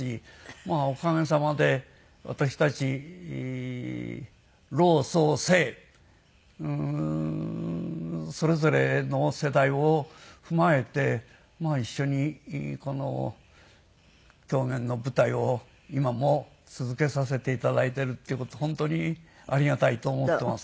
まあおかげさまで私たち老壮青それぞれの世代を踏まえて一緒にこの狂言の舞台を今も続けさせて頂いているっていう事本当にありがたいと思っています。